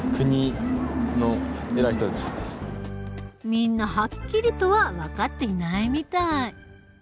みんなはっきりとは分かっていないみたい。